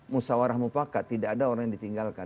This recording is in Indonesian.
musawarah mufakat tidak ada orang yang ditinggalkan